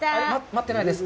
待ってないです。